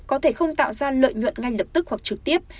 có thể không tạo ra lợi nhuận ngay lập tức hoặc trực tiếp